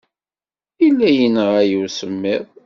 Yella yenɣa-iyi usemmiḍ.